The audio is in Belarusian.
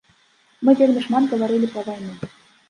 Мы вельмі шмат гаварылі пра вайну.